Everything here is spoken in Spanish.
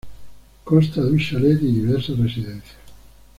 Consta de un chalet y diversas residencias.